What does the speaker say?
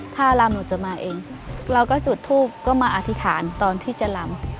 ถ้าลำหนูจะมาเองเราก็จุดทูปก็มาอธิษฐานตอนที่จะลำ